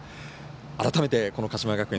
改めて、鹿島学園